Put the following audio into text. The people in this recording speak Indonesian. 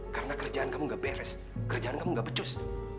karena kerjaan kamu nggak beres kerjaan kamu nggak becus